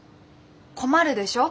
困るでしょ。